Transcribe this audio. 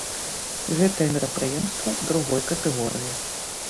Гэтае мерапрыемства другой катэгорыі.